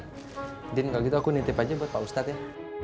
jadi kalo gitu aku nitip aja buat pak ustadz ya